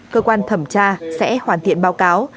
cơ quan thẩm tra sẽ hoàn thiện báo cáo